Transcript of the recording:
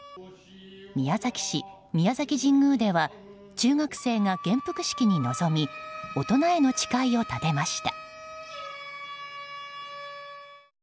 宮崎市・宮崎神宮では中学生が元服式に臨み大人への誓いを立てました。